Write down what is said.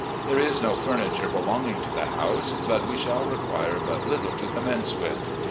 There is no furniture belonging to the house, but we shall require but little to commence with.